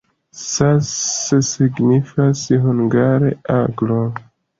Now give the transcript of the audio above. Sas signifas hungare: aglo.